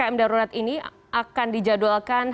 ppkm darurat ini akan dijadwalkan